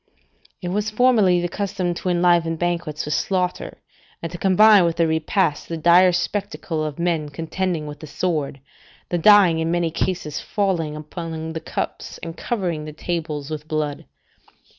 ["It was formerly the custom to enliven banquets with slaughter, and to combine with the repast the dire spectacle of men contending with the sword, the dying in many cases falling upon the cups, and covering the tables with blood."